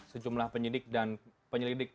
sejumlah penyelidik dan penyelidik